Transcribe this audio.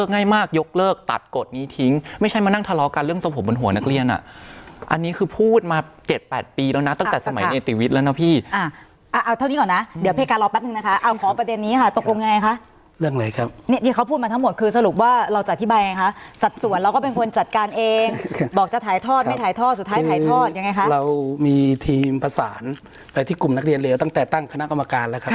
พูดมาทั้งหมดคือสรุปว่าเราจะที่แบรนดร์ไฟฟ้าสัดส่วนเราก็เป็นคนจัดการเองบอกจะถ่ายทอดไม่ถ่ายทอดสุดท้ายถ่ายทอดยังไงข้อเรามีทีมประสานไปที่กลุ่มนักเรียนเลียวตั้งแต่ตั้งคำน